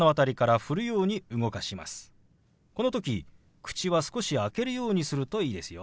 この時口は少し開けるようにするといいですよ。